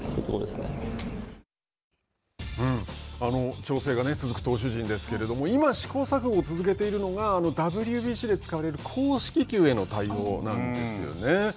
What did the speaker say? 調整が続く投手陣ですけれども、今、試行錯誤を続けているのが、ＷＢＣで使われる公式球への対応なんですよね。